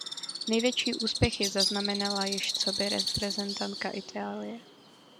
Největší úspěchy zaznamenala již coby reprezentantka Itálie.